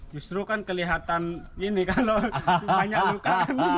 justru kan kelihatan gini kalau banyak luka